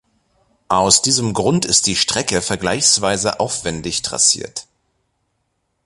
Aus diesem Grund ist die Strecke vergleichsweise aufwendig trassiert.